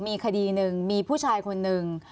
มีคดีหนึ่งมีผู้ชายคนหนึ่ง